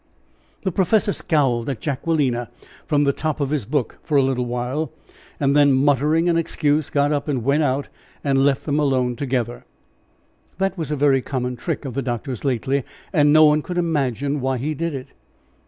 The professor scowled at Jacquelina from the top of his book for a little while, and then, muttering an excuse, got up and went out and left them alone together. That was a very common trick of the doctor's lately, and no one could imagine why he did it.